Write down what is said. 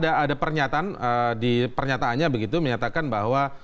ada pernyataan di pernyataannya begitu menyatakan bahwa